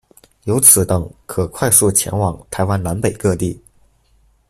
由此等可快速前往台湾南北各地。